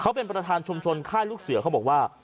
เขาเป็นประธานชุมชนค่ายลูกเสือเขาบอกว่า